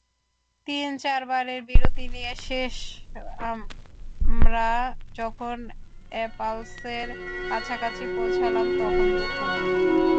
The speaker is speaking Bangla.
তিন-চারবারের বিরতি নিয়ে শেষ আমরা যখন এপাসলের কাছাকাছি পৌঁছালাম, তখন দুপুর।